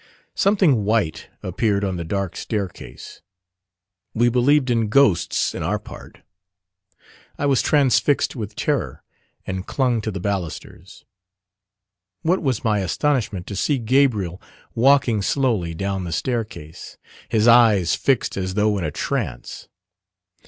Something white appeared on the dark staircase. We believed in ghosts in our part. I was transfixed with terror, and clung to the ballisters. What was my astonishment to see Gabriel walking slowly down the staircase, his eyes fixed as though in a trance!